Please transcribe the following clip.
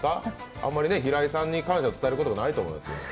あまり平井さんに感謝を伝えることはないと思います。